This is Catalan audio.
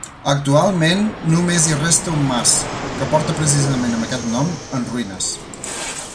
Actualment només hi resta un mas, que porta precisament amb aquest nom, en ruïnes.